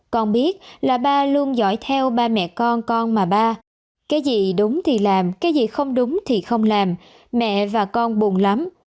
con biết là ba luôn giỏi theo ba mẹ con con mà ba cái gì đúng thì làm cái gì không đúng thì không làm mẹ và con buồn lắm